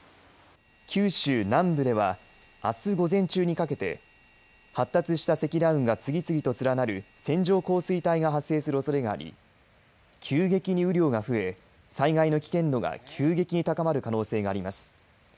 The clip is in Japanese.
九州南部ではあす午前中にかけて発達した積乱雲が次々と連なる線状降水帯が発生するおそれがあり急激に雨量が増え災害の危険度が急激に高まる可能性があります。